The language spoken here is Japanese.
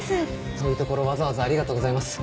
遠い所わざわざありがとうございます。